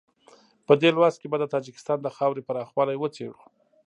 په دې لوست کې به د تاجکستان د خاورې پراخوالی وڅېړو.